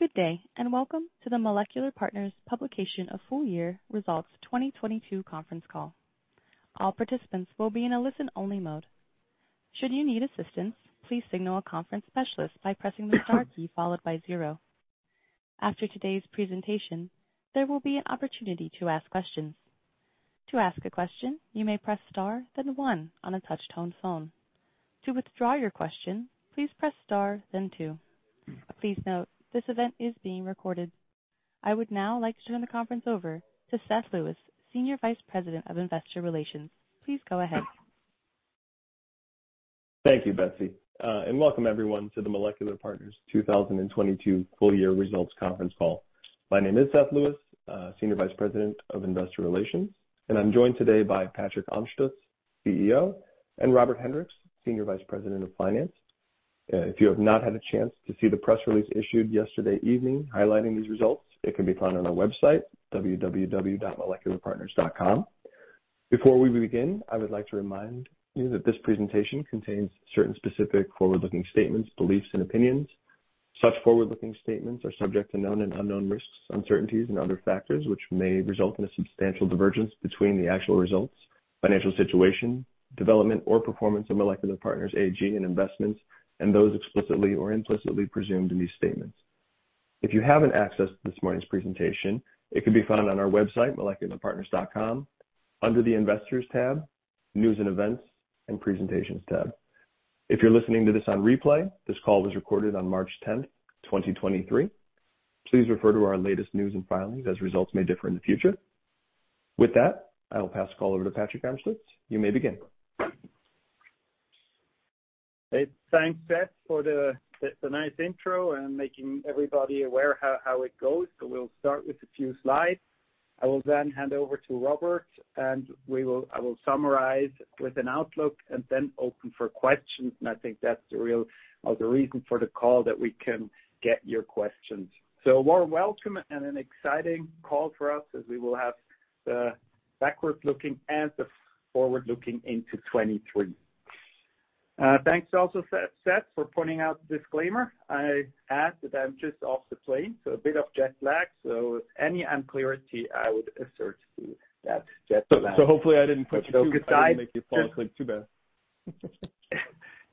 Good day, welcome to the Molecular Partners publication of full-year results 2022 conference call. All participants will be in a listen-only mode. Should you need assistance, please signal a conference specialist by pressing the Star key followed by zero. After today's presentation, there will be an opportunity to ask questions. To ask a question, you may press Star, then one on a touch-tone phone. To withdraw your question, please press Star, then two. Please note, this event is being recorded. I would now like to turn the conference over to Seth Lewis, Senior Vice President of Investor Relations. Please go ahead. Thank you, Betsy, welcome everyone to the Molecular Partners 2022 full-year results conference call. My name is Seth Lewis, Senior Vice President of Investor Relations, and I'm joined today by Patrick Amstutz, CEO, and Robert Hendriks, Senior Vice President of Finance. If you have not had a chance to see the press release issued yesterday evening highlighting these results, it can be found on our website, www.molecularpartners.com. Before we begin, I would like to remind you that this presentation contains certain specific forward-looking statements, beliefs and opinions. Such forward-looking statements are subject to known and unknown risks, uncertainties and other factors, which may result in a substantial divergence between the actual results, financial situation, development or performance of Molecular Partners AG and investments, and those explicitly or implicitly presumed in these statements. If you haven't accessed this morning's presentation, it can be found on our website, molecularpartners.com, under the Investors tab, News and Events, and Presentations tab. If you're listening to this on replay, this call was recorded on March 10, 2023. Please refer to our latest news and filings as results may differ in the future. With that, I will pass the call over to Patrick Amstutz. You may begin. Hey, thanks, Seth, for the nice intro and making everybody aware how it goes. We'll start with a few slides. I will then hand over to Robert, and I will summarize with an outlook and then open for questions. I think that's the real reason for the call that we can get your questions. A warm welcome and an exciting call for us as we will have the backward-looking and the forward-looking into 23. Thanks also, Seth, for pointing out the disclaimer. I add that I'm just off the plane, so a bit of jet lag. Any unclarity, I would assert to that jet lag. Hopefully I didn't make you fall asleep too bad.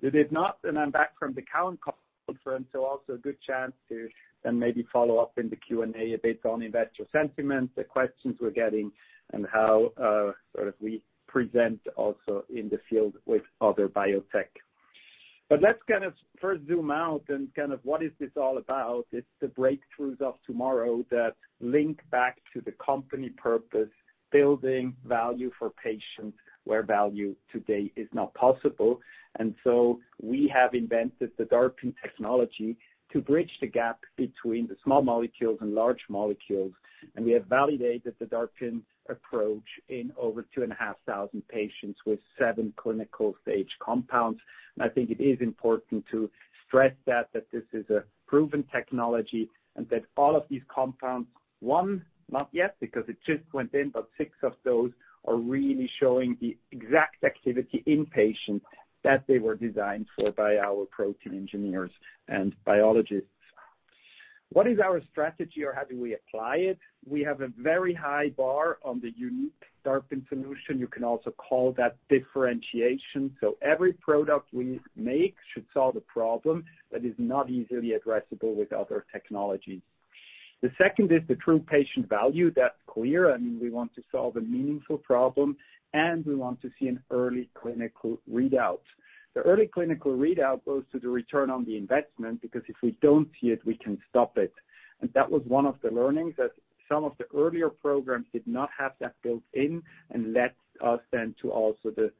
You did not. I'm back from the Cowen conference, also a good chance to then maybe follow up in the Q&A a bit on investor sentiment, the questions we're getting and how sort of we present also in the field with other biotech. Let's kind of first zoom out and kind of what is this all about. It's the breakthroughs of tomorrow that link back to the company purpose, building value for patients where value today is not possible. We have invented the DARPin technology to bridge the gap between the small molecules and large molecules, and we have validated the DARPin approach in over 2,500 patients with seven clinical stage compounds. I think it is important to stress that this is a proven technology and that all of these compounds, one, not yet because it just went in, but six of those are really showing the exact activity in patients that they were designed for by our protein engineers and biologists. What is our strategy or how do we apply it? We have a very high bar on the unique DARPin solution. You can also call that differentiation. Every product we make should solve a problem that is not easily addressable with other technologies. The second is the true patient value. That's clear. We want to solve a meaningful problem, and we want to see an early clinical readout. The early clinical readout goes to the return on the investment because if we don't see it, we can stop it. That was one of the learnings, that some of the earlier programs did not have that built in and led us then to also the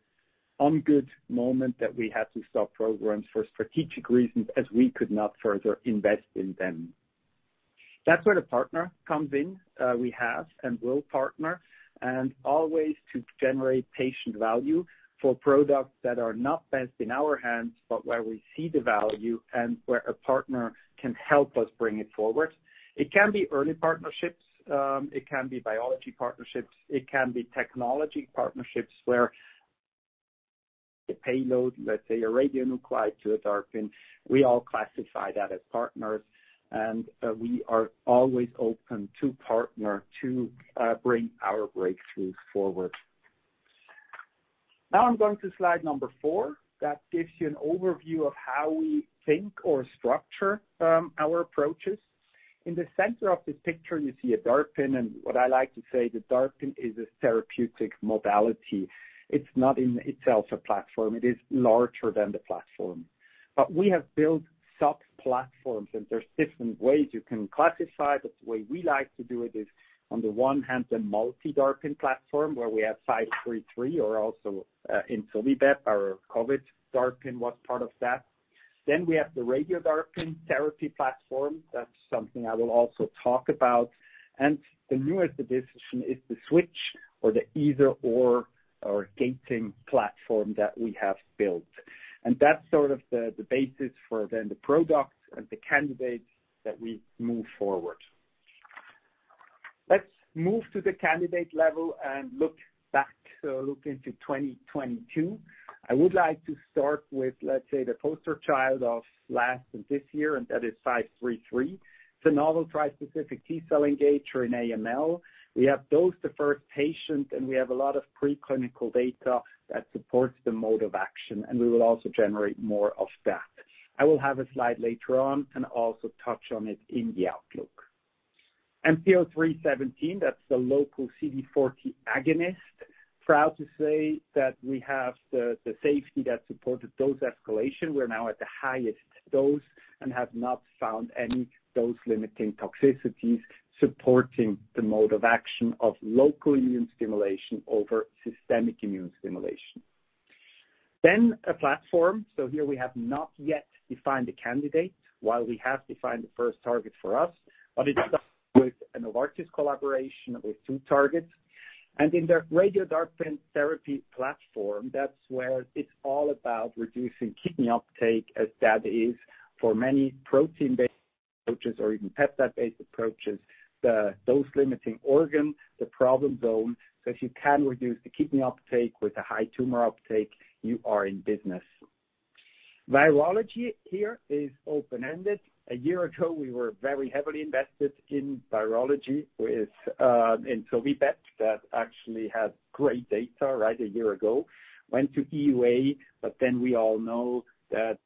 ungood moment that we had to stop programs for strategic reasons as we could not further invest in them. That's where the partner comes in. We have and will partner and always to generate patient value for products that are not best in our hands, but where we see the value and where a partner can help us bring it forward. It can be early partnerships, it can be biology partnerships, it can be technology partnerships where the payload, let's say a radionuclide to a DARPin, we all classify that as partners, we are always open to partner to bring our breakthroughs forward. Now I'm going to slide number four. That gives you an overview of how we think or structure our approaches. In the center of the picture, you see a DARPin, and what I like to say, the DARPin is a therapeutic modality. It's not in itself a platform. It is larger than the platform. We have built sub-platforms, and there's different ways you can classify, but the way we like to do it is on the one hand, the multi-DARPin platform, where we have MP0533 or also ensovibep, our COVID DARPin was part of that. We have the Radio DARPin Therapy platform. That's something I will also talk about. The newest addition is the Switch or the either/or or gating platform that we have built. That's sort of the basis for then the products and the candidates that we move forward. Let's move to the candidate level and look back, so look into 2022. I would like to start with, let's say, the poster child of last and this year, and that is MP0533. It's a novel tri-specific T-cell engager in AML. We have dosed the first patient, and we have a lot of preclinical data that supports the mode of action, and we will also generate more of that. I will have a slide later on and also touch on it in the outlook. MP0317, that's the local CD40 agonist. Proud to say that we have the safety that supported dose escalation. We're now at the highest dose and have not found any dose-limiting toxicities supporting the mode of action of local immune stimulation over systemic immune stimulation. A platform. Here we have not yet defined a candidate while we have defined the first target for us. It starts with a Novartis collaboration with two targets. In the Radio DARPin Therapy platform, that's where it's all about reducing kidney uptake as that is for many protein-based approaches or even peptide-based approaches, the dose-limiting organ, the problem zone. If you can reduce the kidney uptake with a high tumor uptake, you are in business. Virology here is open-ended. A year ago, we were very heavily invested in virology with Introvitach that actually had great data, right, a year ago, went to EUA. We all know that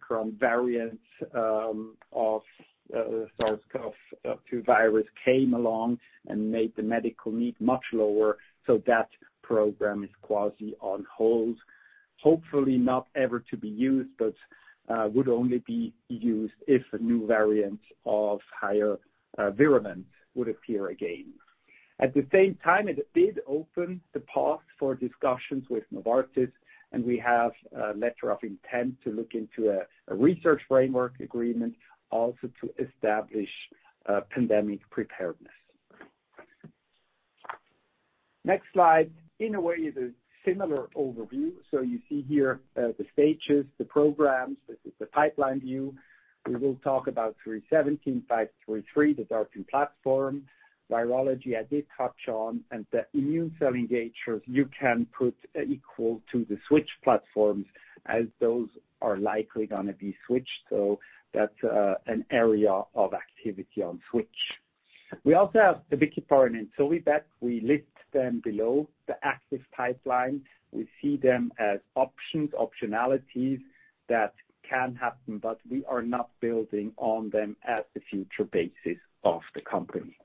current variants of SARS-CoV-2 virus came along and made the medical need much lower. That program is quasi on hold. Hopefully not ever to be used, would only be used if a new variant of higher virulence would appear again. At the same time, it did open the path for discussions with Novartis. We have a letter of intent to look into a research framework agreement also to establish pandemic preparedness. Next slide, in a way, is a similar overview. You see here the stages, the programs. This is the pipeline view. We will talk about 317, 533, the DART2 platform. Virology, I did touch on, and the immune cell engagers you can put equal to the Switch platforms as those are likely gonna be switched. That's an area of activity on Switch. We also have Abicipar partner Introvitach. We list them below the active pipeline. We see them as options, optionalities that can happen, but we are not building on them as the future basis of the company.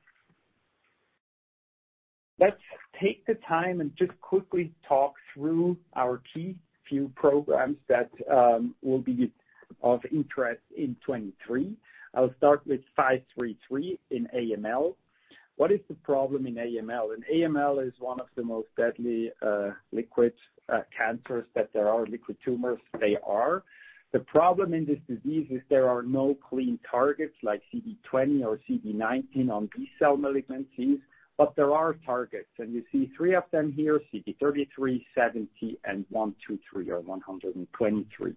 Let's take the time and just quickly talk through our key few programs that will be of interest in 2023. I'll start with MP0533 in AML. What is the problem in AML? AML is one of the most deadly liquid cancers that there are liquid tumors. They are. The problem in this disease is there are no clean targets like CD20 or CD19 on B-cell malignancies, but there are targets, and you see three of them here, CD33, 70, and 123 or 123.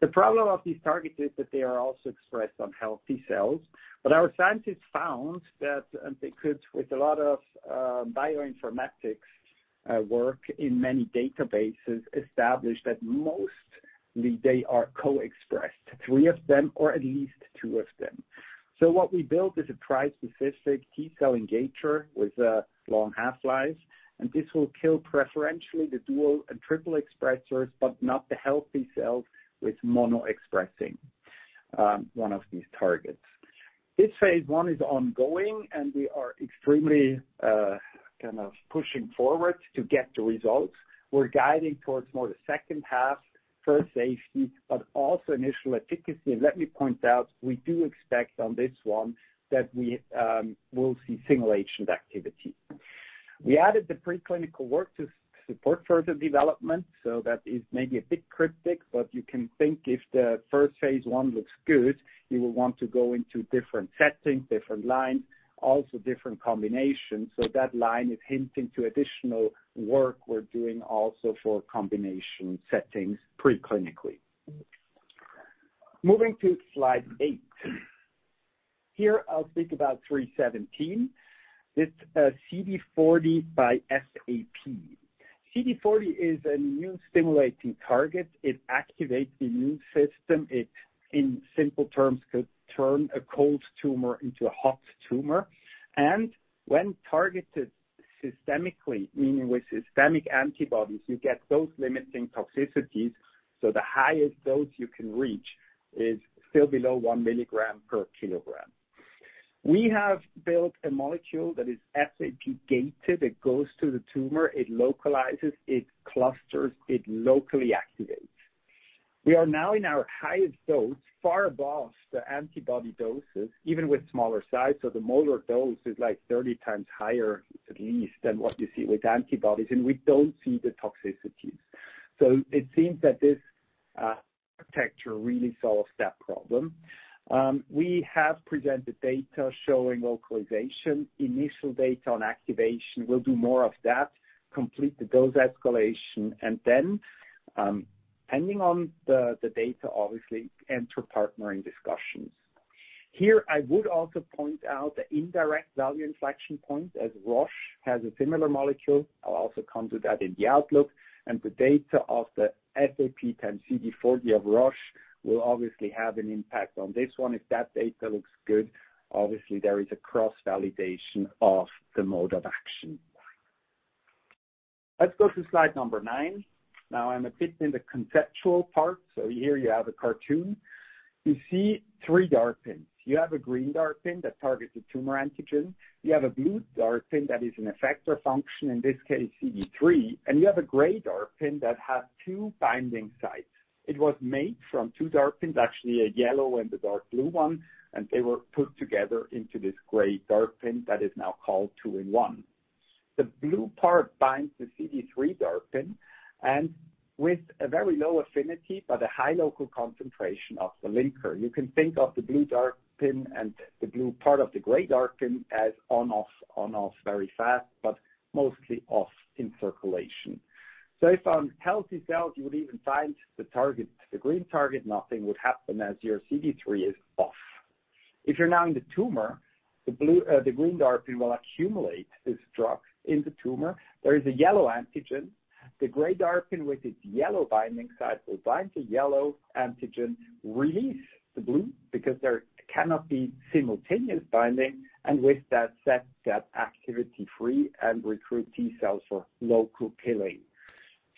The problem of these targets is that they are also expressed on healthy cells. Our scientists found that they could, with a lot of bioinformatics work in many databases, establish that mostly they are co-expressed, three of them or at least two of them. What we built is a tri-specific T-cell engager with a long half-life, and this will kill preferentially the dual and triple expressers, but not the healthy cells with mono-expressing one of these targets. This phase I is ongoing, and we are extremely kind of pushing forward to get the results. We're guiding towards more the second half, first safety, but also initial efficacy. Let me point out, we do expect on this one that we will see stimulation activity. We added the preclinical work to support further development, that is maybe a bit cryptic, but you can think if the first phase 1 looks good, you will want to go into different settings, different lines, also different combinations. That line is hinting to additional work we're doing also for combination settings preclinically. Moving to slide eight. Here I'll speak about 317. It's CD40 by FAP. CD40 is an immune-stimulating target. It activates the immune system. It, in simple terms, could turn a cold tumor into a hot tumor. When targeted systemically, meaning with systemic antibodies, you get dose-limiting toxicities, so the highest dose you can reach is still below 1 mg/kg. We have built a molecule that is SAP-gated. It goes to the tumor, it localizes, it clusters, it locally activates. We are now in our highest dose, far above the antibody doses, even with smaller size. The molar dose is like 30 times higher at least than what you see with antibodies, and we don't see the toxicities. It seems that this architecture really solves that problem. We have presented data showing localization, initial data on activation. We'll do more of that, complete the dose escalation. Depending on the data, obviously enter partnering discussions. Here, I would also point out the indirect value inflection point as Roche has a similar molecule. I'll also come to that in the outlook, and the data of the FAP-CD40 of Roche will obviously have an impact on this one. If that data looks good, obviously, there is a cross-validation of the mode of action. Let's go to slide number nine. I'm a bit in the conceptual part, here you have a cartoon. You see three DARPin. You have a green DARPin that targets a tumor antigen. You have a blue DARPin that is an effector function, in this case, CD3. You have a gray DARPin that has two binding sites. It was made from two DARPins, actually a yellow and a dark blue one, and they were put together into this gray DARPin that is now called two-in-one. The blue part binds the CD3 DARPin, and with a very low affinity but a high local concentration of the linker. You can think of the blue DARPin and the blue part of the gray DARPin as on, off, on, off very fast, but mostly off in circulation. If on healthy cells, you would even find the target, the green target, nothing would happen as your CD3 is off. If you're now in the tumor, the blue, the green DARPin will accumulate this drug in the tumor. There is a yellow antigen. The gray DARPin with its yellow binding site will bind to yellow antigen, release the blue because there cannot be simultaneous binding, and with that set that activity free and recruit T cells for local killing.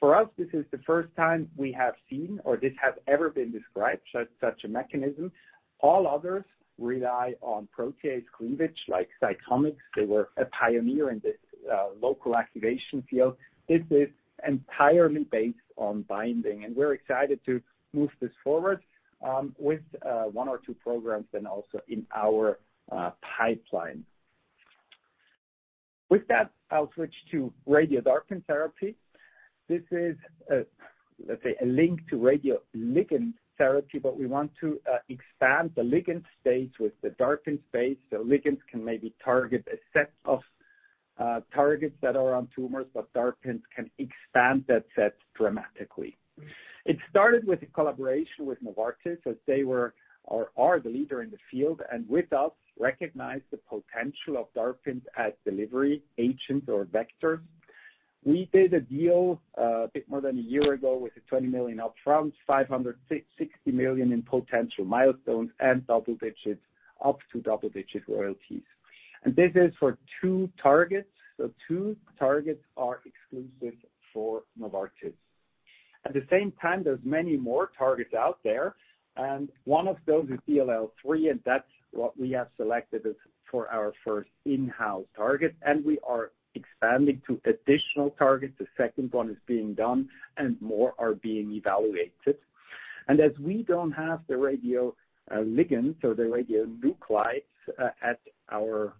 For us, this is the first time we have seen or this has ever been described such a mechanism. All others rely on protease cleavage like CytomX. They were a pioneer in this, local activation field. This is entirely based on binding, and we're excited to move this forward, with one or two programs then also in our pipeline. With that, I'll switch to Radio DARPin Therapy. This is a, let's say, a link to radioligand therapy, but we want to expand the ligand space with the DARPin space, so ligands can maybe target a set of targets that are on tumors, but DARPins can expand that set dramatically. It started with a collaboration with Novartis, as they were or are the leader in the field, and with us, recognize the potential of DARPins as delivery agents or vectors. We did a deal a bit more than a year ago with a 20 million up front, 560 million in potential milestones and double digits, up to double-digit royalties. This is for two targets. Two targets are exclusive for Novartis. At the same time, there's many more targets out there, and one of those is DLL3, and that's what we have selected as for our first in-house target, and we are expanding to additional targets. The second one is being done and more are being evaluated. As we don't have the radio ligand, so the radionuclide, at our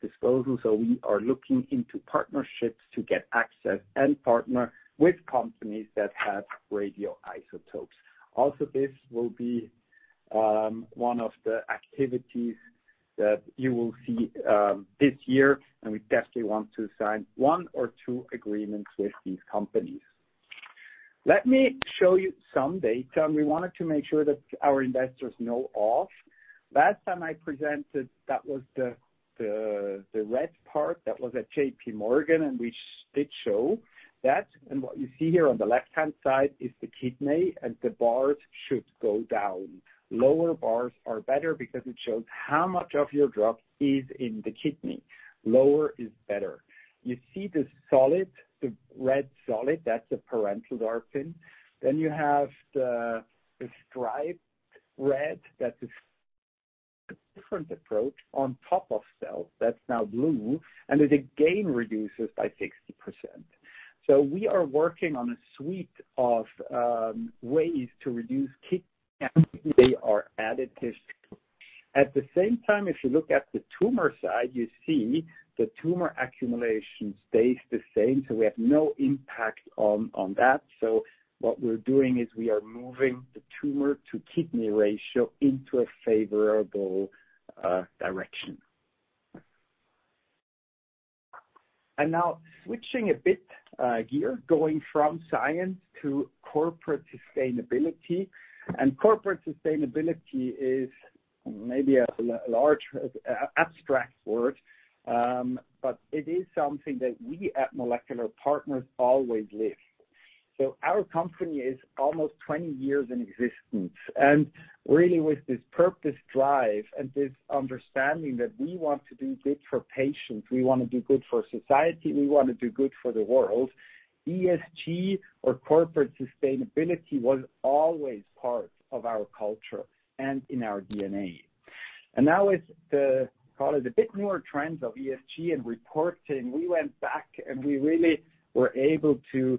disposal, we are looking into partnerships to get access and partner with companies that have radioisotopes. This will be one of the activities that you will see this year. We definitely want to sign one or two agreements with these companies. Let me show you some data. We wanted to make sure that our investors know of. Last time I presented, that was the red part that was at JP Morgan. We did show that. What you see here on the left-hand side is the kidney. The bars should go down. Lower bars are better because it shows how much of your drug is in the kidney. Lower is better. You see this solid, the red solid, that's a parental DARPin. You have the striped red, that is a different approach on top of cells. That's now blue. It again reduces by 60%. We are working on a suite of ways to reduce kidney, and they are additive. At the same time, if you look at the tumor side, you see the tumor accumulation stays the same. We have no impact on that. What we're doing is we are moving the tumor to kidney ratio into a favorable direction. Now switching a bit gear going from science to corporate sustainability. Corporate sustainability is maybe a large abstract word, but it is something that we at Molecular Partners always live. Our company is almost 20 years in existence, and really with this purpose drive and this understanding that we want to do good for patients, we wanna do good for society, we wanna do good for the world, ESG or corporate sustainability was always part of our culture and in our DNA. Now with the, call it, a bit newer trends of ESG and reporting, we went back and we really were able to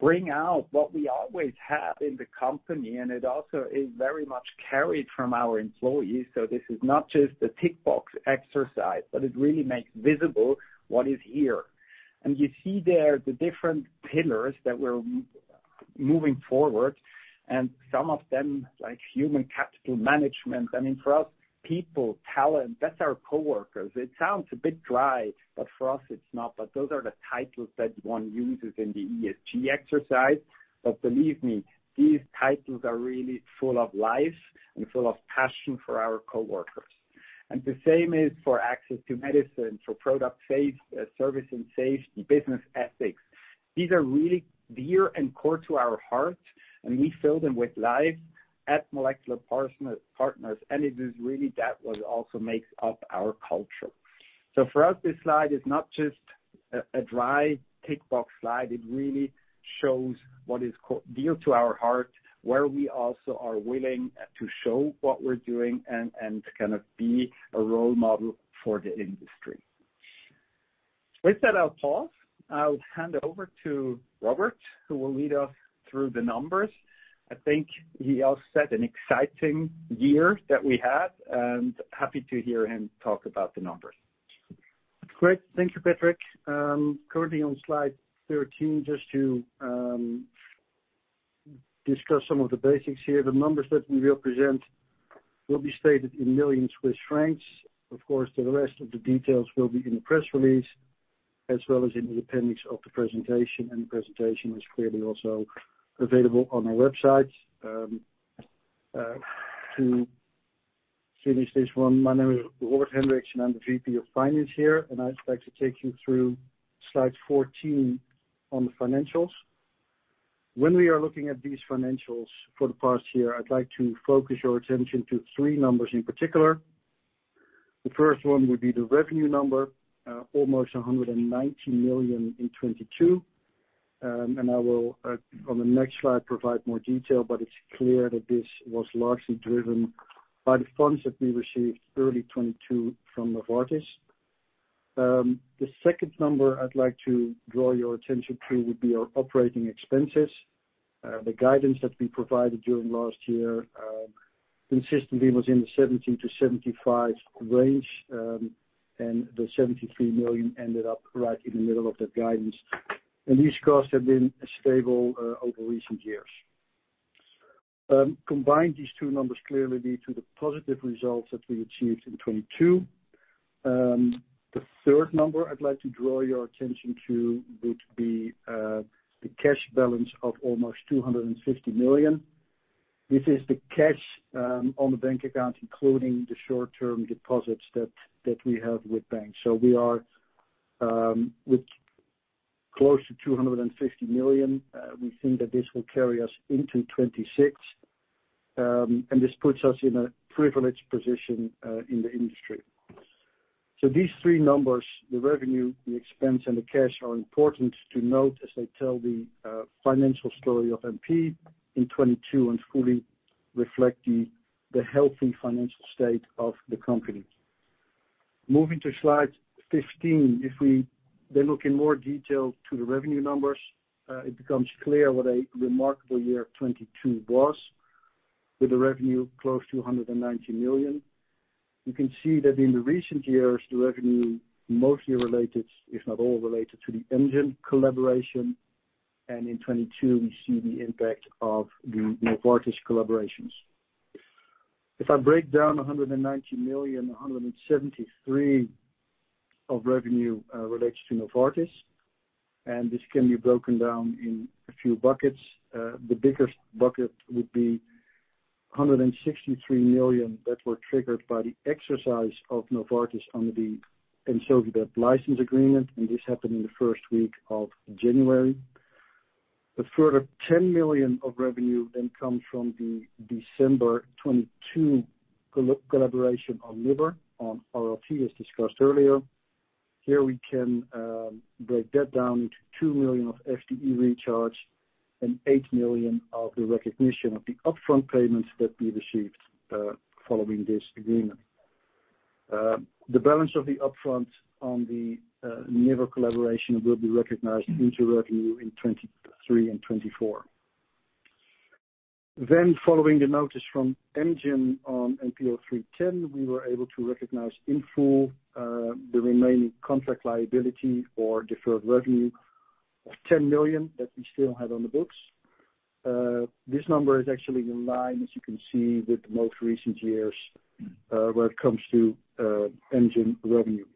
bring out what we always have in the company, and it also is very much carried from our employees. This is not just a tick-box exercise, but it really makes visible what is here. You see there the different pillars that we're moving forward. Some of them, like human capital management, I mean, for us, people, talent, that's our coworkers. It sounds a bit dry, but for us it's not. Those are the titles that one uses in the ESG exercise. Believe me, these titles are really full of life and full of passion for our coworkers. The same is for access to medicine, for product service and safety, business ethics. These are really dear and core to our heart, and we fill them with life at Molecular Partners, and it is really that what also makes up our culture. For us, this slide is not just a dry tick-box slide. It really shows what is dear to our heart, where we also are willing to show what we're doing and to kind of be a role model for the industry. With that, I'll pause. I'll hand it over to Robert, who will lead us through the numbers. I think he outset an exciting year that we had, and happy to hear him talk about the numbers. Great. Thank you, Patrick. Currently on slide 13, just to discuss some of the basics here. The numbers that we will present will be stated in millions CHF. Of course, the rest of the details will be in the press release as well as in the appendix of the presentation, and the presentation is clearly also available on our website. To finish this one, my name is Robert Hendriks, and I'm the VP of Finance here, and I'd like to take you through slide 14 on the financials. When we are looking at these financials for the past year, I'd like to focus your attention to three numbers in particular. The first one would be the revenue number, almost 119 million in 2022. I will on the next slide provide more detail, but it's clear that this was largely driven by the funds that we received early 2022 from Novartis. The second number I'd like to draw your attention to would be our operating expenses. The guidance that we provided during last year consistently was in the 70-75 range, the 73 million ended up right in the middle of that guidance. These costs have been stable over recent years. Combined, these two numbers clearly lead to the positive results that we achieved in 2022. The third number I'd like to draw your attention to would be the cash balance of almost 250 million. This is the cash on the bank account, including the short-term deposits that we have with banks. We are with close to 250 million, we think that this will carry us into 2026, and this puts us in a privileged position in the industry. These three numbers, the revenue, the expense, and the cash, are important to note as they tell the financial story of MP in 2022 and fully reflect the healthy financial state of the company. Moving to slide 15, if we then look in more detail to the revenue numbers, it becomes clear what a remarkable year 2022 was with the revenue close to 190 million. You can see that in the recent years, the revenue mostly related, if not all related, to the Amgen collaboration, and in 2022, we see the impact of the Novartis collaborations. If I break down 190 million, 173 million of revenue relates to Novartis. This can be broken down in a few buckets. The biggest bucket would be 163 million that were triggered by the exercise of Novartis under the Ensovibep license agreement. This happened in the first week of January. A further 10 million of revenue comes from the December 2022 collaboration on Liver, on RLT, as discussed earlier. Here we can break that down into 2 million of FTE recharge and 8 million of the recognition of the upfront payments that we received following this agreement. The balance of the upfront on the Liver collaboration will be recognized into revenue in 2023 and 2024. Following the notice from Amgen on MP0310, we were able to recognize in full, the remaining contract liability for deferred revenue of 10 million that we still had on the books. This number is actually in line, as you can see, with the most recent years, when it comes to Amgen revenue.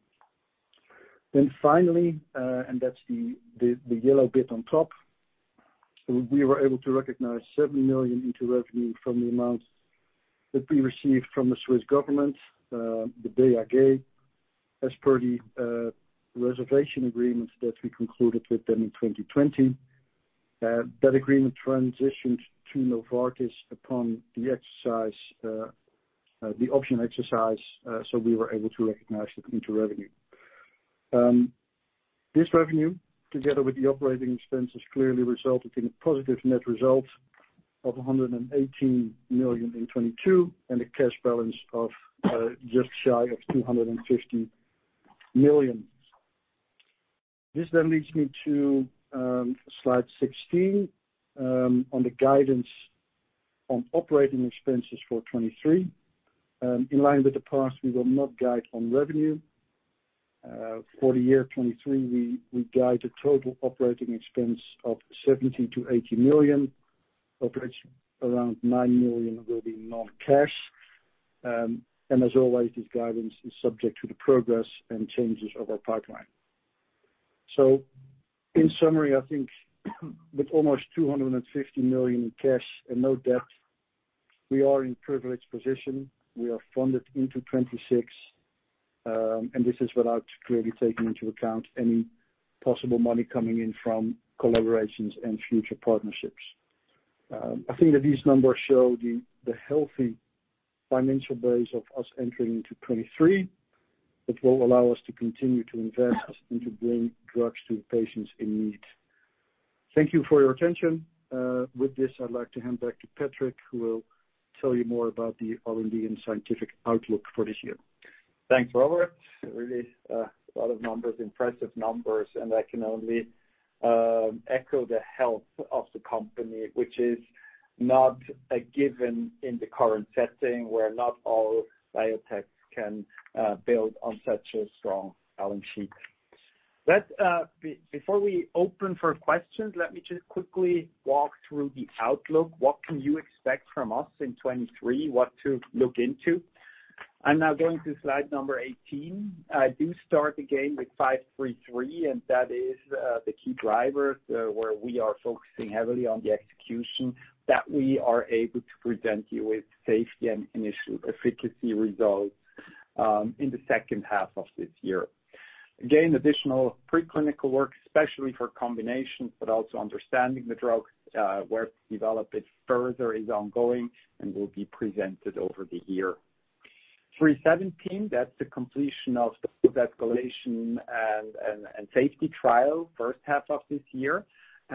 Finally, and that's the, the yellow bit on top, we were able to recognize 7 million into revenue from the amounts that we received from the Swiss government, the BAG, as per the reservation agreements that we concluded with them in 2020. That agreement transitioned to Novartis upon the exercise, the option exercise, so we were able to recognize it into revenue. This revenue, together with the operating expenses, clearly resulted in a positive net result of 118 million in 2022 and a cash balance of just shy of 250 million. This leads me to slide 16 on the guidance on operating expenses for 2023. In line with the past, we will not guide on revenue. For the year 2023, we guide a total OpEx of 70 million-80 million, of which around 9 million will be non-cash. As always, this guidance is subject to the progress and changes of our pipeline. In summary, I think with almost 250 million in cash and no debt, we are in privileged position. We are funded into 2026, and this is without really taking into account any possible money coming in from collaborations and future partnerships. I think that these numbers show the healthy financial base of us entering into 2023. It will allow us to continue to invest and to bring drugs to the patients in need. Thank you for your attention. With this, I'd like to hand back to Patrick, who will tell you more about the R&D and scientific outlook for this year. Thanks, Robert. Really, a lot of numbers, impressive numbers. I can only echo the health of the company, which is not a given in the current setting, where not all biotechs can build on such a strong balance sheet. Before we open for questions, let me just quickly walk through the outlook. What can you expect from us in 23, what to look into. I'm now going to slide number 18. I do start again with 533, that is the key driver, where we are focusing heavily on the execution, that we are able to present you with safety and initial efficacy results in the second half of this year. Additional preclinical work, especially for combinations, but also understanding the drug, work to develop it further is ongoing and will be presented over the year. MP0317, that's the completion of the escalation and safety trial first half of this year,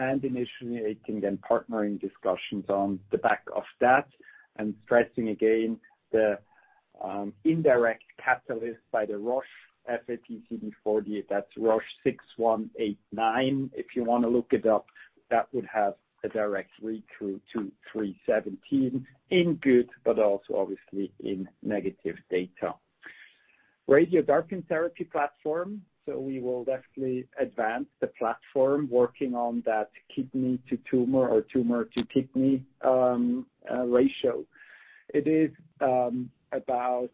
initiating then partnering discussions on the back of that and stressing again the indirect catalyst by the Roche, FAP-CD40, that's Roche RG 6189, if you wanna look it up. That would have a direct read-through to MP0317 in good but also obviously in negative data. Radio DARPin Therapy platform, we will definitely advance the platform working on that kidney to tumor or tumor to kidney ratio. It is about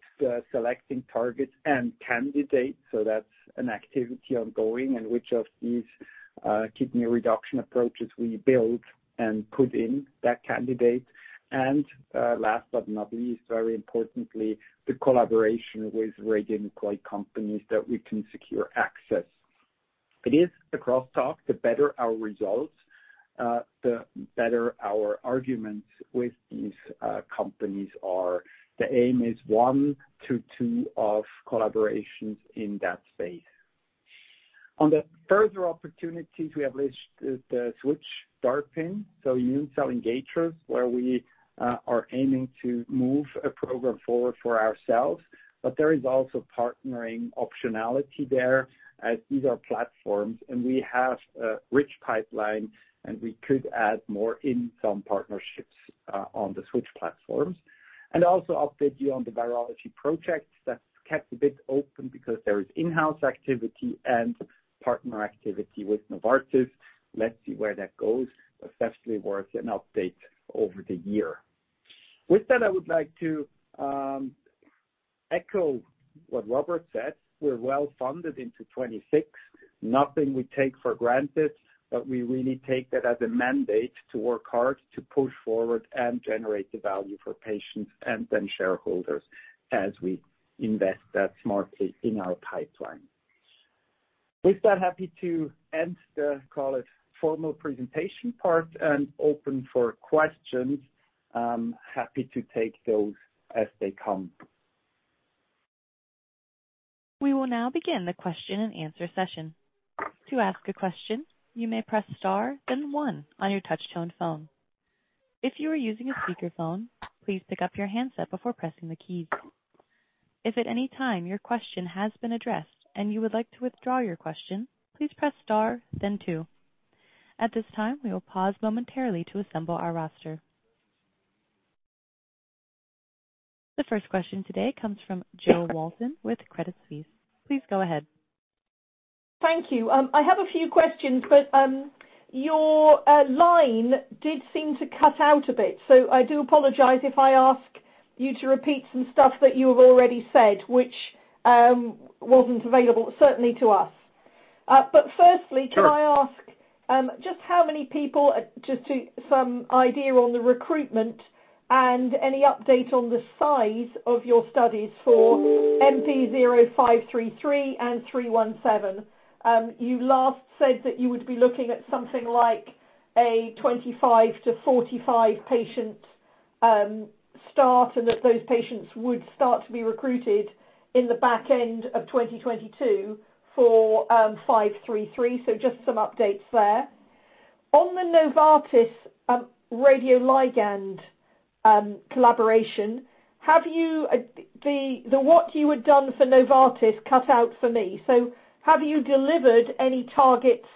selecting targets and candidates, that's an activity ongoing and which of these kidney reduction approaches we build and put in that candidate. Last but not least, very importantly, the collaboration with radiopharmaceutical companies that we can secure access. It is a crosstalk. The better our results, the better our arguments with these companies are. The aim is one to two of collaborations in that space. On the further opportunities, we have listed the Switch DARPin, so immune cell engagers, where we are aiming to move a program forward for ourselves. There is also partnering optionality there as these are platforms, and we have a rich pipeline, and we could add more in some partnerships on the Switch platforms. Also update you on the virology projects. That's kept a bit open because there is in-house activity and partner activity with Novartis. Let's see where that goes. Definitely worth an update over the year. With that, I would like to echo what Robert said. We're well funded into 2026. Nothing we take for granted, but we really take that as a mandate to work hard to push forward and generate the value for patients and then shareholders as we invest that smartly in our pipeline. With that, happy to end the, call it, formal presentation part and open for questions. I'm happy to take those as they come. We will now begin the question-and-answer session. To ask a question, you may press star then one on your touch-tone phone. If you are using a speakerphone, please pick up your handset before pressing the keys. If at any time your question has been addressed and you would like to withdraw your question, please press star then two. At this time, we will pause momentarily to assemble our roster. The first question today comes from Jo Walton with Credit Suisse. Please go ahead. Thank you. I have a few questions, but your line did seem to cut out a bit, so I do apologize if I ask you to repeat some stuff that you have already said, which wasn't available, certainly to us. Firstly. Sure. Can I ask just how many people, just to some idea on the recruitment and any update on the size of your studies for MP0533 and 317? You last said that you would be looking at something like a 25-45 patient start, and that those patients would start to be recruited in the back end of 2022 for 533. Just some updates there. On the Novartis radioligand collaboration, what you had done for Novartis cut out for me. Have you delivered any targets?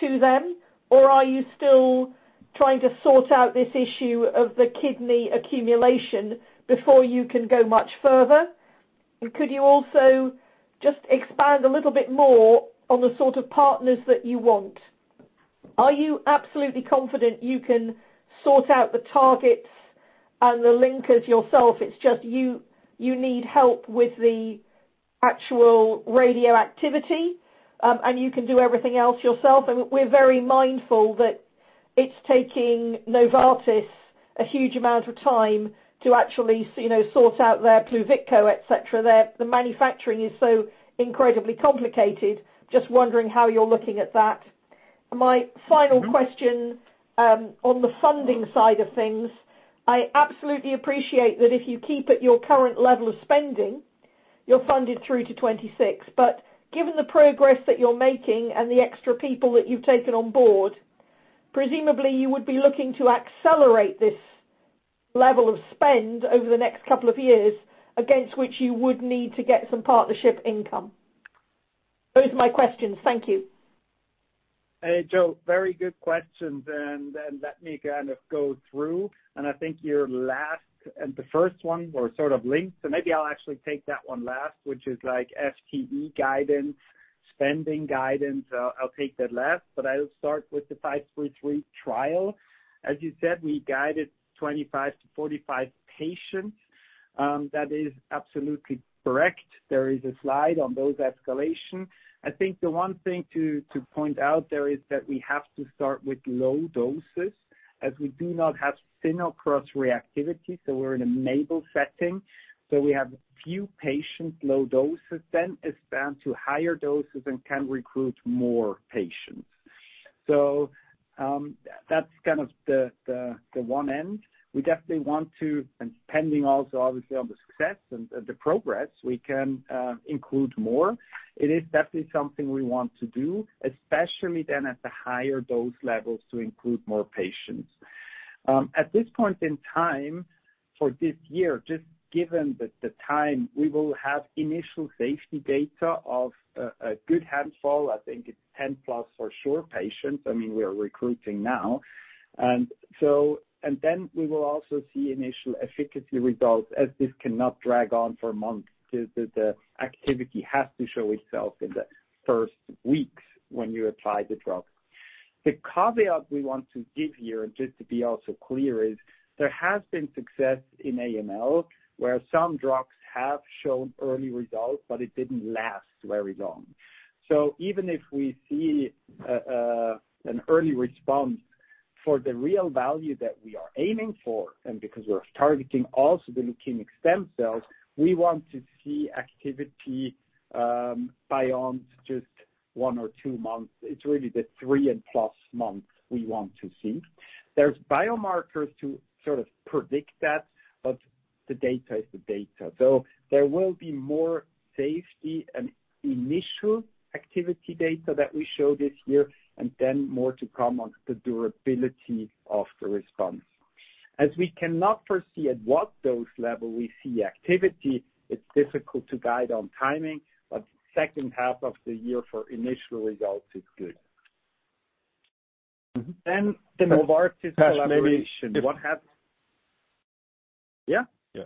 To them, or are you still trying to sort out this issue of the kidney accumulation before you can go much further? Could you also just expand a little bit more on the sort of partners that you want? Are you absolutely confident you can sort out the targets and the linkers yourself, it's just you need help with the actual radioactivity, and you can do everything else yourself. I mean, we're very mindful that it's taking Novartis a huge amount of time to actually, you know, sort out their Pluvicto, et cetera. The manufacturing is so incredibly complicated. Just wondering how you're looking at that. My final question on the funding side of things, I absolutely appreciate that if you keep at your current level of spending, you're funded through to 2026. Given the progress that you're making and the extra people that you've taken on board, presumably you would be looking to accelerate this level of spend over the next couple of years, against which you would need to get some partnership income. Those are my questions. Thank you. Hey, Jo, very good questions, let me go through. I think your last and the first one were linked, maybe I'll actually take that one last, which is FTE guidance, spending guidance. I'll take that last, I'll start with the 533 trial. As you said, we guided 25-45 patients. That is absolutely correct. There is a slide on dose escalation. I think the one thing to point out there is that we have to start with low doses as we do not have pheno cross-reactivity, we're in a monospecific setting. We have few patients, low doses, then expand to higher doses and can recruit more patients. That's the one end. We definitely want to, depending also obviously on the success and the progress, we can include more. It is definitely something we want to do, especially then at the higher dose levels, to include more patients. At this point in time, for this year, just given the time, we will have initial safety data of a good handful, I think it's 10 plus for sure patients. I mean, we are recruiting now. Then we will also see initial efficacy results as this cannot drag on for months. The activity has to show itself in the first weeks when you apply the drug. The caveat we want to give here, just to be also clear, is there has been success in AML where some drugs have shown early results, but it didn't last very long. Even if we see an early response for the real value that we are aiming for, and because we're targeting also the leukemic stem cells, we want to see activity beyond just one or two months. It's really the three plus months we want to see. There's biomarkers to sort of predict that, but the data is the data. There will be more safety and initial activity data that we show this year, and then more to come on the durability of the response. As we cannot foresee at what dose level we see activity, it's difficult to guide on timing, but second half of the year for initial results is good. The Novartis collaboration. What happens- Maybe. Yeah? Yeah.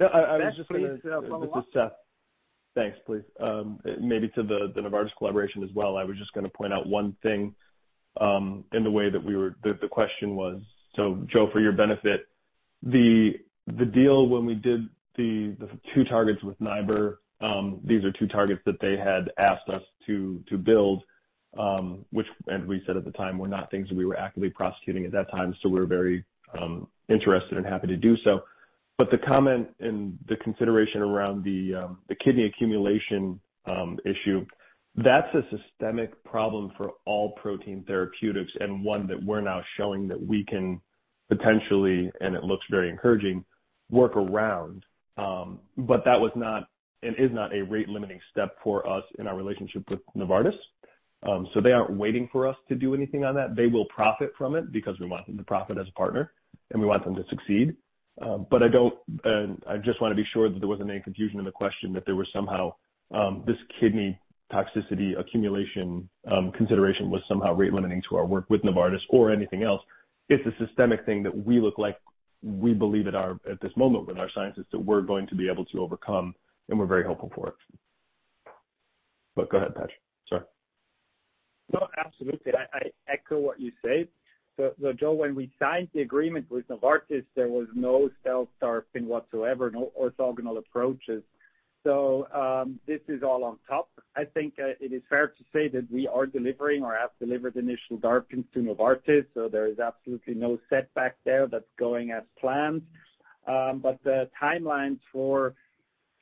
No, I was just. Yes, please, follow up. This is Seth. Thanks. Please, maybe to the Novartis collaboration as well, I was just gonna point out one thing, in the way that the question was, so Jo, for your benefit, the deal when we did the two targets with Niber, these are two targets that they had asked us to build, which as we said at the time, were not things that we were actively prosecuting at that time, so we were very interested and happy to do so. The comment and the consideration around the kidney accumulation issue, that's a systemic problem for all protein therapeutics and one that we're now showing that we can potentially, and it looks very encouraging, work around. That was not and is not a rate-limiting step for us in our relationship with Novartis. They aren't waiting for us to do anything on that. They will profit from it because we want them to profit as a partner, and we want them to succeed. I don't, and I just wanna be sure that there wasn't any confusion in the question that there was somehow, this kidney toxicity accumulation, consideration was somehow rate limiting to our work with Novartis or anything else. It's a systemic thing that we look like we believe at this moment with our scientists, that we're going to be able to overcome, and we're very hopeful for it. Go ahead, Patrick. Sorry. No, absolutely. I echo what you say. Jo, when we signed the agreement with Novartis, there was no cell DARPin whatsoever, no orthogonal approaches. This is all on top. I think it is fair to say that we are delivering or have delivered initial DARPin to Novartis, so there is absolutely no setback there. That's going as planned. The timelines for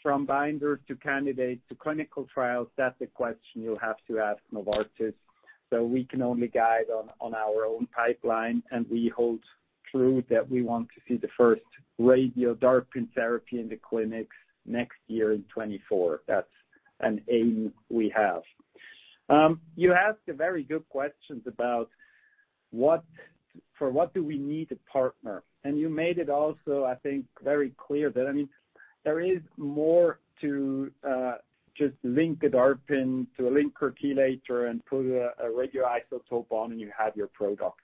from binder to candidate to clinical trials, that's a question you'll have to ask Novartis. We can only guide on our own pipeline, and we hold true that we want to see the first Radio DARPin Therapy in the clinics next year in 2024. That's an aim we have. You asked a very good questions about for what do we need a partner? You made it also, I think, very clear that, I mean, there is more to just link a DARPin to a linker chelator and put a radioisotope on, and you have your product.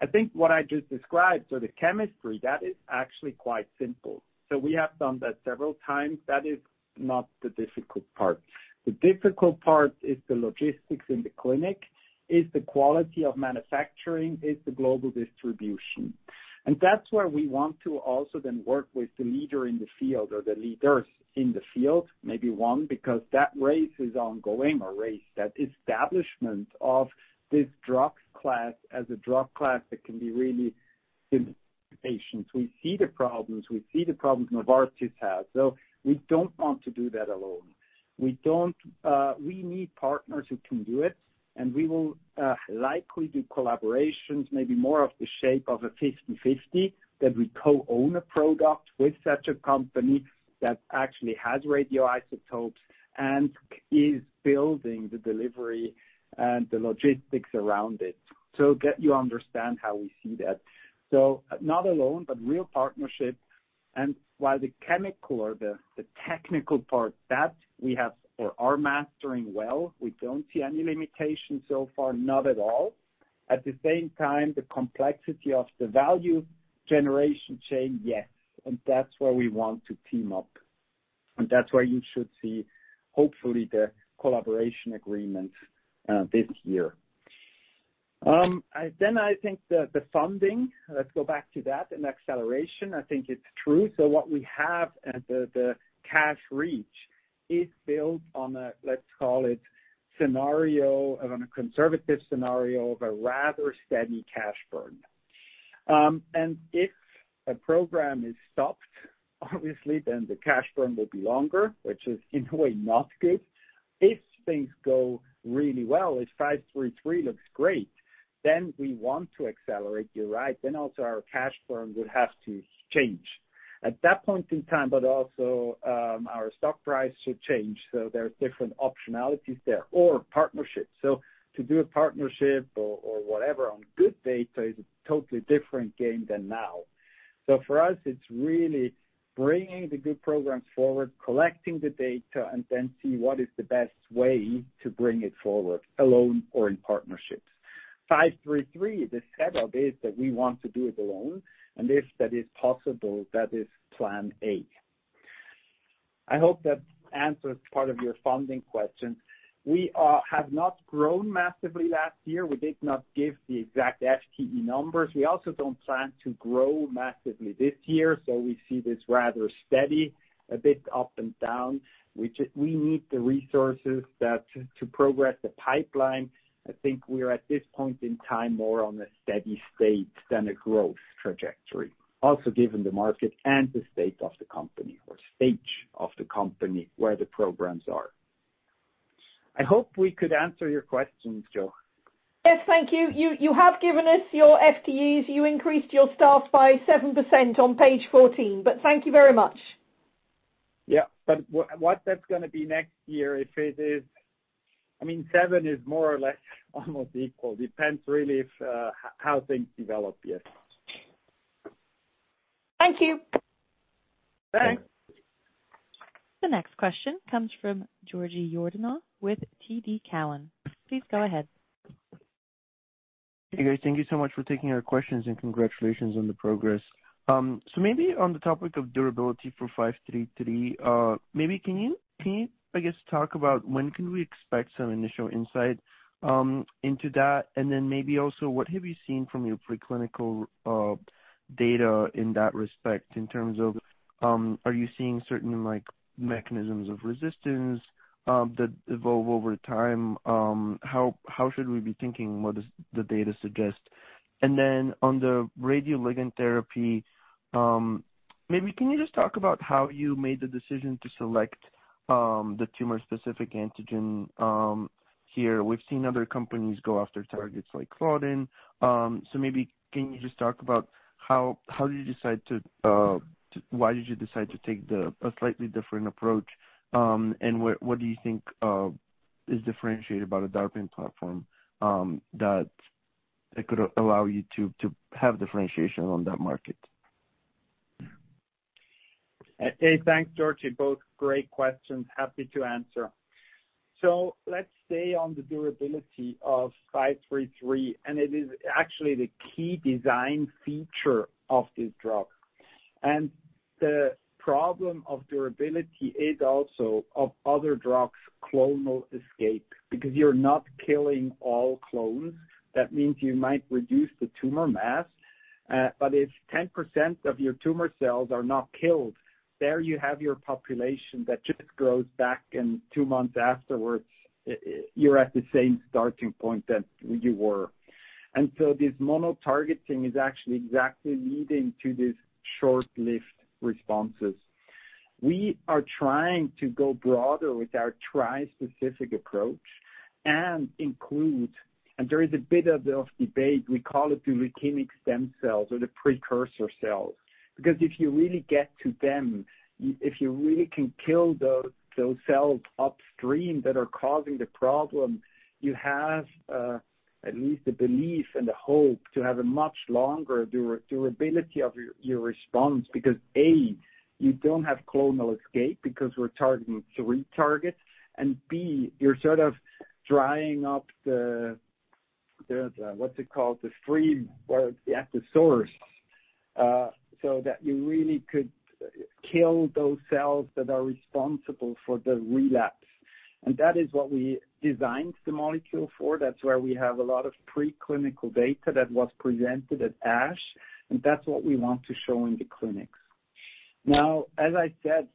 I think what I just described, so the chemistry, that is actually quite simple. We have done that several times. That is not the difficult part. The difficult part is the logistics in the clinic, it's the quality of manufacturing, it's the global distribution. That's where we want to also then work with the leader in the field or the leaders in the field, maybe one, because that race is ongoing, that establishment of this drug class as a drug class that can be really in patients. We see the problems, we see the problems Novartis has. We don't want to do that alone. We need partners who can do it, and we will likely do collaborations, maybe more of the shape of a 50/50, that we co-own a product with such a company that actually has radioisotopes and is building the delivery and the logistics around it. Get you understand how we see that. Not alone, but real partnership. While the chemical or the technical part, that we have or are mastering well. We don't see any limitations so far, not at all. At the same time, the complexity of the value generation chain, yes, and that's where we want to team up, and that's where you should see hopefully the collaboration agreement this year. I think the funding, let's go back to that and acceleration. I think it's true. What we have at the cash reach is built on a, let's call it scenario, on a conservative scenario of a rather steady cash burn. If a program is stopped, obviously then the cash burn will be longer, which is in a way not good. If things go really well, if 533 looks great, then we want to accelerate, you're right. Also our cash burn would have to change. At that point in time, but also our stock price should change, so there's different optionalities there or partnerships. To do a partnership or whatever on good data is a totally different game than now. For us, it's really bringing the good programs forward, collecting the data, and then see what is the best way to bring it forward, alone or in partnerships. MP0533, the setup is that we want to do it alone, if that is possible, that is plan A. I hope that answers part of your funding question. We have not grown massively last year. We did not give the exact FTE numbers. We also don't plan to grow massively this year, we see this rather steady, a bit up and down, which is we need the resources to progress the pipeline. I think we're at this point in time more on a steady state than a growth trajectory. Also given the market and the state of the company or stage of the company, where the programs are. I hope we could answer your questions, Jo. Yes, thank you. You have given us your FTEs. You increased your staff by 7% on page 14. Thank you very much. Yeah, what that's gonna be next year if it is. I mean, seven is more or less almost equal. Depends really if how things develop, yes. Thank you. Bye. The next question comes from Georgi Yordanov with TD Cowen. Please go ahead. Hey, guys. Thank you so much for taking our questions and congratulations on the progress. Maybe on the topic of durability for MP0533, maybe can you, I guess, talk about when can we expect some initial insight into that? Then maybe also what have you seen from your preclinical data in that respect in terms of, are you seeing certain like mechanisms of resistance that evolve over time? How should we be thinking? What does the data suggest? Then on the radioligand therapy, maybe can you just talk about how you made the decision to select the tumor-specific antigen here? We've seen other companies go after targets like claudin. Maybe can you just talk about how did you decide to... Why did you decide to take a slightly different approach, and what do you think is differentiated about a DARPin platform that it could allow you to have differentiation on that market? Thanks, Georgi. Both great questions. Happy to answer. Let's stay on the durability of five three three, and it is actually the key design feature of this drug. The problem of durability is also of other drugs' clonal escape because you're not killing all clones. That means you might reduce the tumor mass, but if 10% of your tumor cells are not killed, there you have your population that just grows back in two months afterwards, you're at the same starting point that you were. This mono targeting is actually exactly leading to these short-lived responses. We are trying to go broader with our tri-specific approach and include. There is a bit of debate. We call it the leukemic stem cells or the precursor cells. Because if you really get to them, if you really can kill those cells upstream that are causing the problem, you have at least the belief and the hope to have a much longer durability of your response. Because, A, you don't have clonal escape because we're targeting three targets, and B, you're sort of drying up the stream or at the source, so that you really could kill those cells that are responsible for the relapse. That is what we designed the molecule for. That's where we have a lot of preclinical data that was presented at ASH, and that's what we want to show in the clinics. Now, as I said,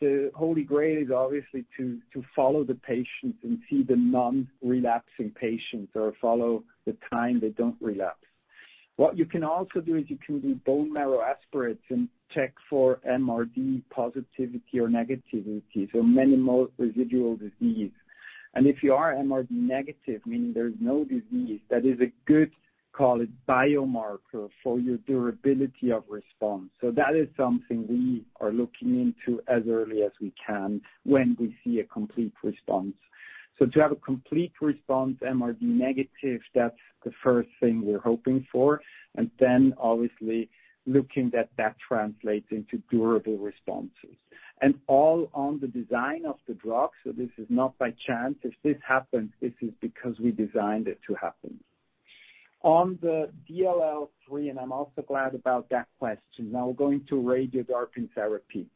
the holy grail is obviously to follow the patients and see the non-relapsing patients or follow the time they don't relapse. What you can also do is you can do bone marrow aspirates and check for MRD positivity or negativity, so minimal residual disease. If you are MRD negative, meaning there's no disease, that is a good, call it, biomarker for your durability of response. That is something we are looking into as early as we can when we see a complete response. To have a complete response, MRD negative, that's the first thing we're hoping for. Then obviously looking that translates into durable responses. All on the design of the drug, so this is not by chance. If this happens, this is because we designed it to happen. On the DLL3, I'm also glad about that question. Now we're going to Radio DARPin Therapy.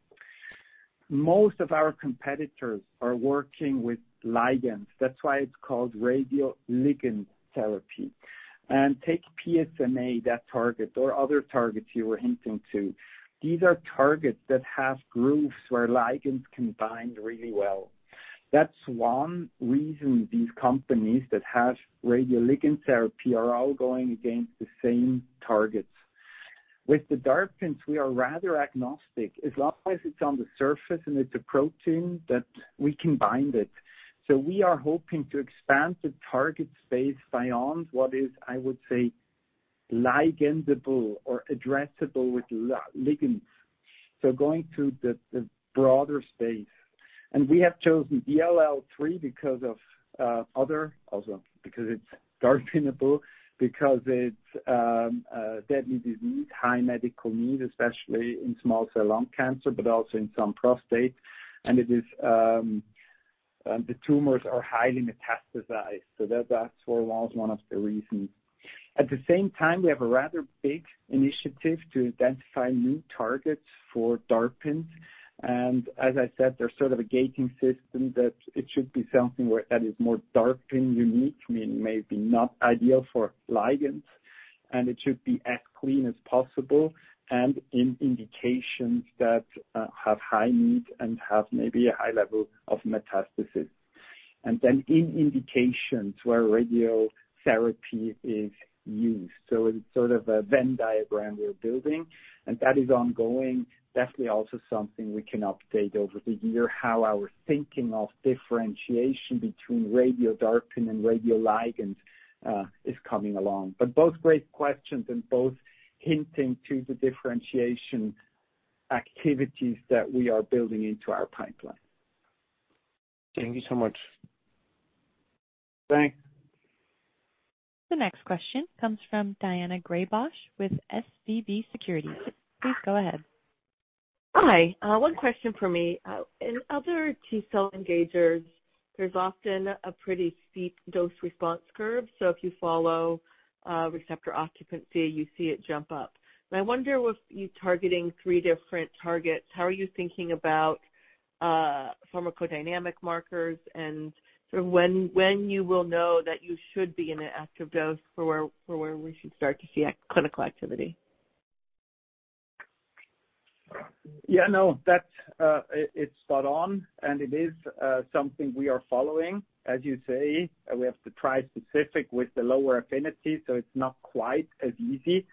Most of our competitors are working with ligands. That's why it's called radioligand therapy. Take PSMA, that target or other targets you were hinting to. These are targets that have grooves where ligands can bind really well. That's one reason these companies that have radioligand therapy are all going against the same targets. With the DARPin, we are rather agnostic. As long as it's on the surface and it's a protein, that we can bind it. We are hoping to expand the target space beyond what is, I would say, ligandable or addressable with ligands. Going to the broader space. We have chosen DLL3 because of other, also because it's DARPinable, because it's a deadly disease, high medical need, especially in small cell lung cancer, but also in some prostate. It is the tumors are highly metastasized, so that's one of the reasons. At the same time, we have a rather big initiative to identify new targets for DARPins. As I said, they're sort of a gating system that it should be something where that is more DARPin unique, meaning maybe not ideal for ligands, and it should be as clean as possible and in indications that have high need and have maybe a high level of metastasis. In indications where radiotherapy is used. It's sort of a Venn diagram we're building, and that is ongoing. Definitely also something we can update over the year, how our thinking of differentiation between Radio DARPin and radioligands is coming along. Both great questions and both hinting to the differentiation activities that we are building into our pipeline. Thank you so much. Thanks. The next question comes from Daina Graybosch with SVB Securities. Please go ahead. Hi. One question for me. In other T-cell engagers, there's often a pretty steep dose response curve. If you follow receptor occupancy, you see it jump up. I wonder with you targeting three different targets, how are you thinking about pharmacodynamic markers and sort of when you will know that you should be in an active dose for where we should start to see a clinical activity? Yeah, no, that's, it's spot on, and it is, something we are following. As you say, we have the tri-specific with the lower affinity, so it's not quite as easy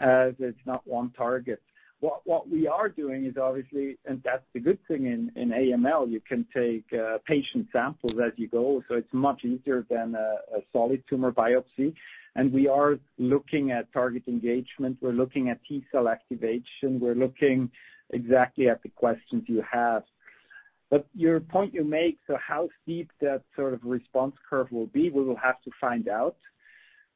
as it's not one target. What we are doing is obviously, and that's the good thing in AML, you can take, patient samples as you go, so it's much easier than a solid tumor biopsy. We are looking at target engagement. We're looking at T-cell activation. We're looking exactly at the questions you have. Your point you make to how steep that sort of response curve will be, we will have to find out.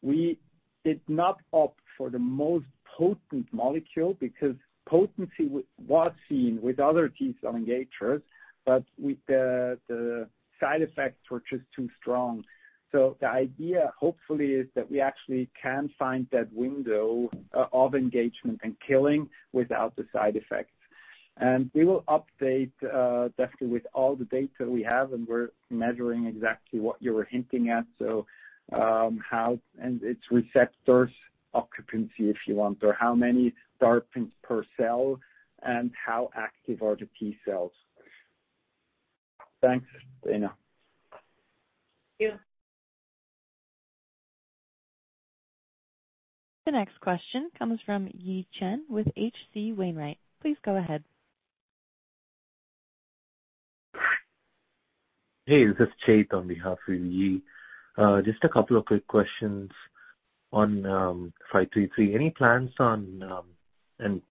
We did not opt for the most potent molecule because potency was seen with other T-cell engagers, but with the side effects were just too strong. The idea hopefully is that we actually can find that window of engagement and killing without the side effects. We will update definitely with all the data we have, and we're measuring exactly what you were hinting at. How and its receptors occupancy, if you want, or how many DARPins per cell and how active are the T-cells. Thanks, Daina. Thank you. The next question comes from Yi Chen with H.C. Wainwright. Please go ahead. Hey, this is Chet on behalf of Yi. Just a couple of quick questions on five three three. Any plans on,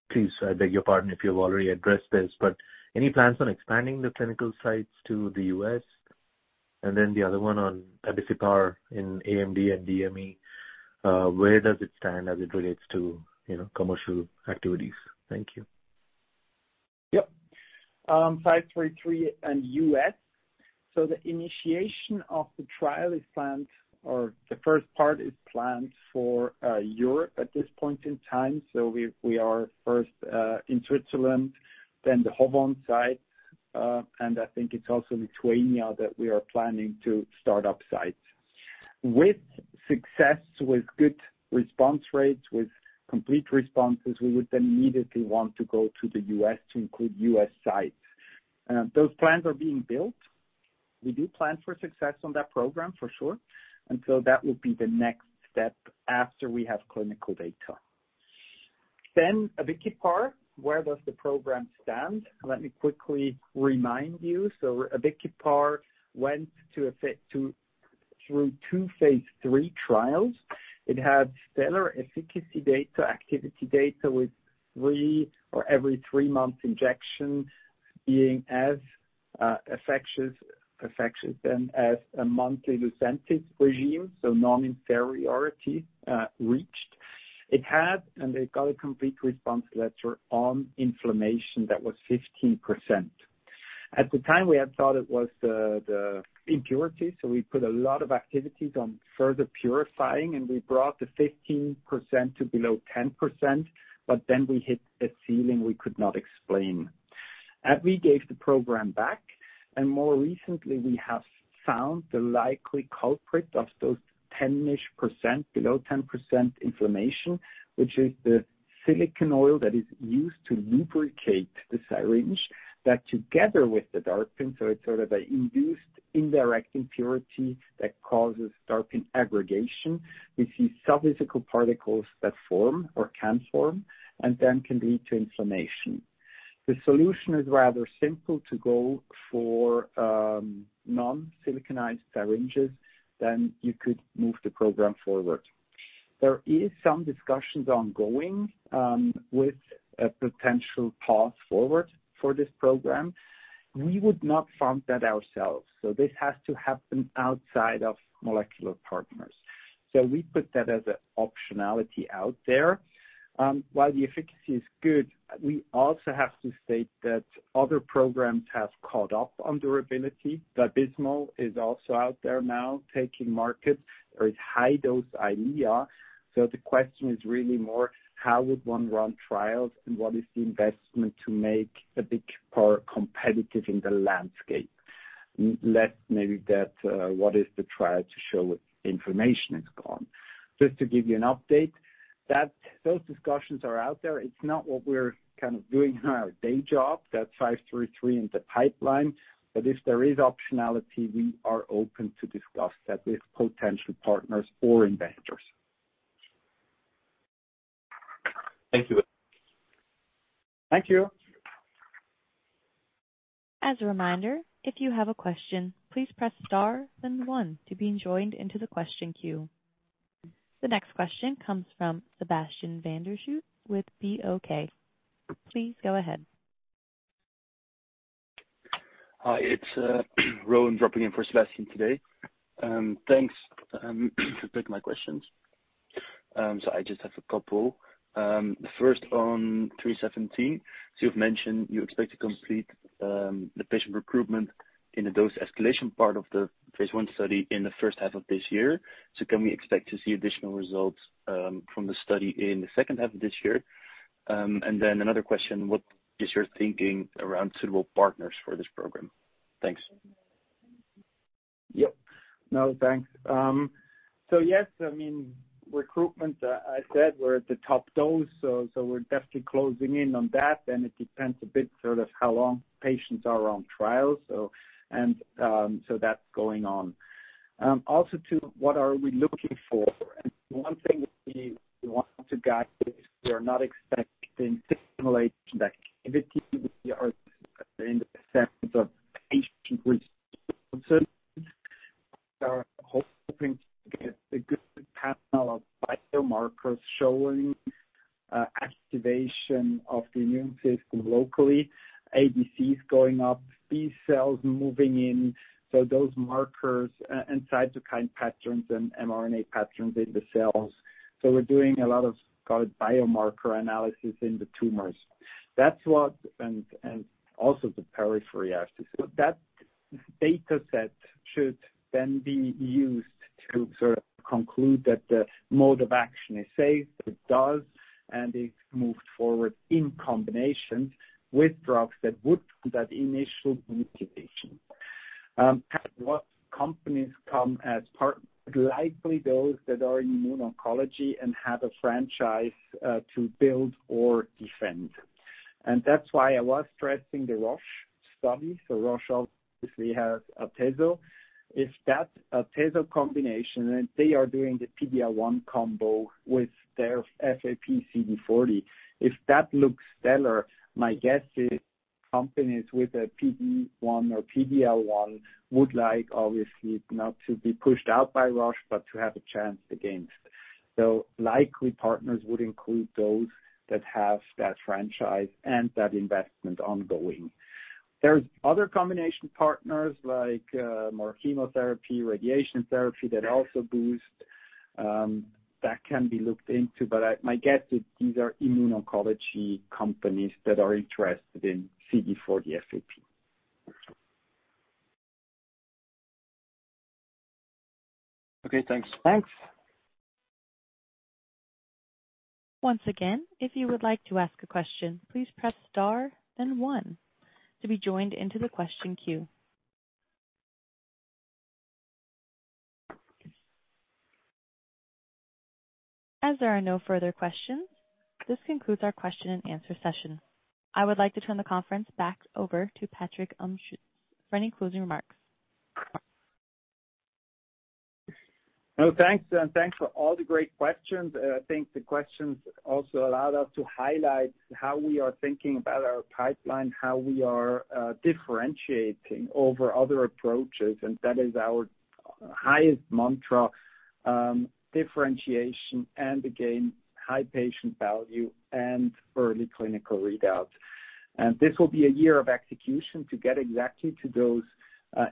please, I beg your pardon if you've already addressed this, but any plans on expanding the clinical sites to the U.S.? Then the other one on Abicipar in AMD and DME, where does it stand as it relates to, you know, commercial activities? Thank you. Yep. 533 and U.S. The initiation of the trial is planned, or the first part is planned for Europe at this point in time. We are first in Switzerland, then the HOVON site, and I think it's also Lithuania that we are planning to start up sites. With success, with good response rates, with complete responses, we would then immediately want to go to the U.S. to include U.S. sites. Those plans are being built. We do plan for success on that program for sure. That would be the next step after we have clinical data. Abicipar, where does the program stand? Let me quickly remind you. Abicipar went through two phase three trials. It had stellar efficacy data, activity data, with three or every three-month injection being as effective then as a monthly LUCENTIS regime, so non-inferiority reached. It got a complete response letter on inflammation that was 15%. At the time, we had thought it was the impurity, so we put a lot of activities on further purifying, and we brought the 15% to below 10%, but then we hit a ceiling we could not explain. We gave the program back, More recently we have found the likely culprit of those 10-ish%, below 10% inflammation, which is the silicon oil that is used to lubricate the syringe, that together with the DARPin, so it's sort of an induced indirect impurity that causes DARPin aggregation. We see subphysical particles that form or can form and then can lead to inflammation. The solution is rather simple to go for non-siliconized syringes. You could move the program forward. There is some discussions ongoing with a potential path forward for this program. We would not fund that ourselves. This has to happen outside of Molecular Partners. We put that as an optionality out there. While the efficacy is good, we also have to state that other programs have caught up on durability. VABYSMO is also out there now taking market. There is high-dose EYLEA. The question is really more how would one run trials and what is the investment to make Abicipar competitive in the landscape, less maybe that, what is the trial to show inflammation is gone. Just to give you an update, that those discussions are out there. It's not what we're kind of doing our day job, that's Five three three in the pipeline. If there is optionality, we are open to discuss that with potential partners or investors. Thank you. Thank you. As a reminder, if you have a question, please press star then 1 to be joined into the question queue. The next question comes from Sebastian van der Zijl with BOK. Please go ahead. Hi, it's Rowan dropping in for Sebastian today. Thanks for taking my questions. I just have a couple. First on MP0317, you've mentioned you expect to complete the patient recruitment in the dose escalation part of the phase I study in the first half of this year. Can we expect to see additional results from the study in the second half of this year? Another question, what is your thinking around suitable partners for this program? Thanks. Yep. No, thanks. Yes, I mean, recruitment, I said we're at the top dose, so we're definitely closing in on that. It depends a bit sort of how long patients are on trial. That's going on. To what are we looking for? One thing we want to guide is we are not expecting similar activity. We are in the sense of patient response. We are hoping to get a good panel of biomarkers showing activation of the immune system locally, APCs going up, B cells moving in. Those markers and cytokine patterns and mRNA patterns in the cells. We're doing a lot of called biomarker analysis in the tumors. Also the periphery assays. That data set should then be used to sort of conclude that the mode of action is safe, it does, and it's moved forward in combination with drugs that would initial mutation. What companies come as partners, likely those that are in immune oncology and have a franchise to build or defend. That's why I was stressing the Roche study. Roche, obviously, has Tecentriq. If that Tecentriq combination, and they are doing the PD-L1 combo with their FAP CD40. If that looks stellar, my guess is companies with a PD-1 or PD-L1 would like, obviously, not to be pushed out by Roche, but to have a chance against. Likely partners would include those that have that franchise and that investment ongoing. There's other combination partners like more chemotherapy, radiation therapy that also boost that can be looked into. My guess is these are immuno-oncology companies that are interested in CD40 FAP. Okay, thanks. Thanks. Once again, if you would like to ask a question, please press star then one to be joined into the question queue. As there are no further questions, this concludes our question-and-answer session. I would like to turn the conference back over to Patrick Amstutz for any closing remarks. No, thanks. Thanks for all the great questions. I think the questions also allowed us to highlight how we are thinking about our pipeline, how we are differentiating over other approaches. That is our highest mantra, differentiation and, again, high patient value and early clinical readouts. This will be a year of execution to get exactly to those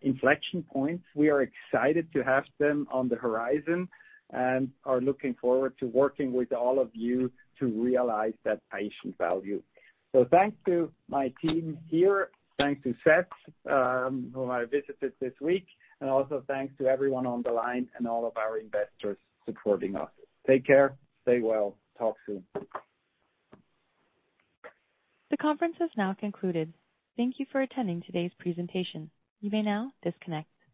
inflection points. We are excited to have them on the horizon and are looking forward to working with all of you to realize that patient value. Thanks to my team here, thanks to Seth, whom I visited this week, and also thanks to everyone on the line and all of our investors supporting us. Take care, stay well, talk soon. The conference has now concluded. Thank you for attending today's presentation. You may now disconnect.